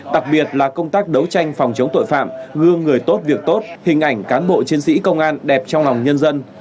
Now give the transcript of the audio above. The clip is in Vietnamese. đặc biệt là công tác đấu tranh phòng chống tội phạm gương người tốt việc tốt hình ảnh cán bộ chiến sĩ công an đẹp trong lòng nhân dân